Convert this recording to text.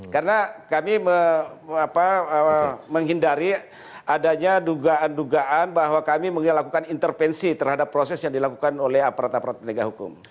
karena kami menghindari adanya dugaan dugaan bahwa kami melakukan intervensi terhadap proses yang dilakukan oleh aparat aparat pendidikan hukum